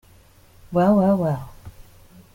Well, well, well!